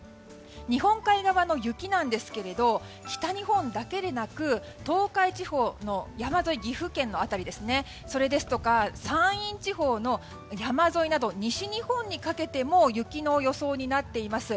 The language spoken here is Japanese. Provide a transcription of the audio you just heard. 日本海側の雪ですが北日本だけでなく、東海地方の山沿い、岐阜県の辺りや山陰地方の山沿いなど西日本にかけても雪の予想になっています。